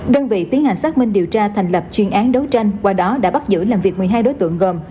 đơn vị tiến hành xác minh điều tra thành lập chuyên án đấu tranh qua đó đã bắt giữ làm việc một mươi hai đối tượng gồm